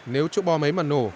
nếu chỗ bom ấy mà nổ